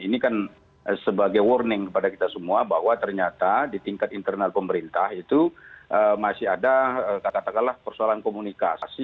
ini kan sebagai warning kepada kita semua bahwa ternyata di tingkat internal pemerintah itu masih ada katakanlah persoalan komunikasi